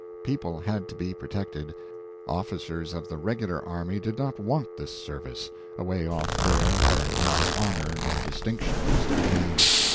People had to be protected. Officers of the regular army did not want this service away off there where neither honor nor distinction was to be gained.